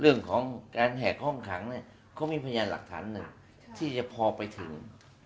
เรื่องของการแห่งคล่องขังเขามีพยายามหลักฐานหนึ่งที่จะพอไปถึง